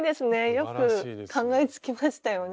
よく考えつきましたよね。